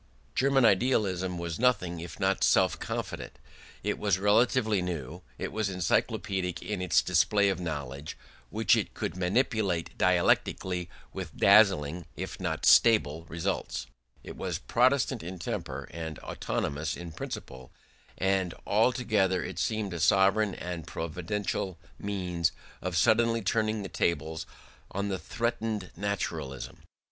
German idealism was nothing if not self confident; it was relatively new; it was encyclopaedic in its display of knowledge, which it could manipulate dialectically with dazzling, if not stable, results; it was Protestant in temper and autonomous in principle; and altogether it seemed a sovereign and providential means of suddenly turning the tables on the threatened naturalism.